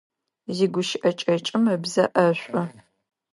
Зигущыӏэ кӏэкӏым ыбзэ ӏэшӏу.